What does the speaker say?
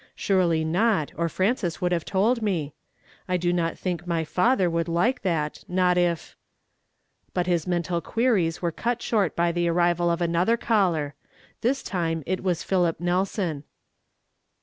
Surely not, or Frances would have told me. I do not tliink my father would like that, not if"— But liis mental queries were cut short by the arrival of another caller. This time it was Philip Nelson.